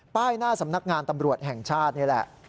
หน้าสำนักงานตำรวจแห่งชาตินี่แหละ